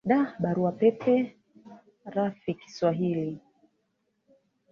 da barua pepe rfi kiswahili